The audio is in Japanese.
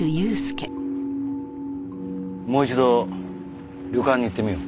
もう一度旅館に行ってみよう。